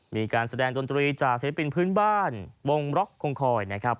มีการแสดงดนตรีจากศิลปินพื้นบ้านวงบล็อกคงคอยนะครับ